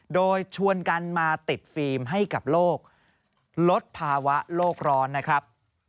โดยชวนกันมาติดฟิล์มให้กับโลกลดภาวะโลกร้อนนะครับ